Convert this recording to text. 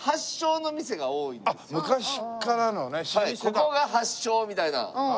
ここが発祥みたいな。